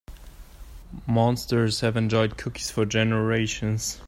Monsters have enjoyed cookies for generations.